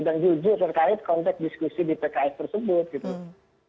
dan jujur terkait konteks diskusi di pks tersebut